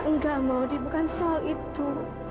nggak maudie bukan soal itu